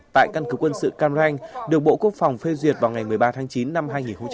tại căn cứ quân sự cam ranh được bộ quốc phòng phê duyệt vào ngày một mươi ba tháng chín năm hai nghìn một mươi chín